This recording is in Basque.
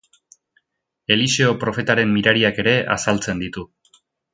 Eliseo profetaren mirariak ere azaltzen ditu.